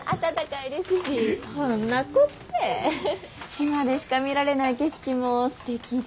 島でしか見られない景色もすてきで。